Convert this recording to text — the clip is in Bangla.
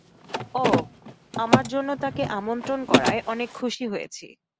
অহ, আমার জন্য তাকে আমন্ত্রণ করায় অনেক খুশি হয়েছি।